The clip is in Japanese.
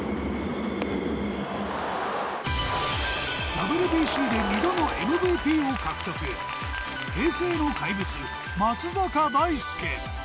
ＷＢＣで２度のＭＶＰを獲得平成の怪物松坂大輔。